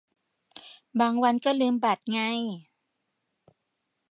บางวันก็ลืมบัตรไง